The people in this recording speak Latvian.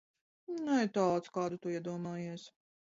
Ne tāds, kādu tu iedomājies.